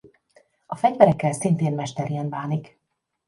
A fegyverekkel szintén mesterien bánik.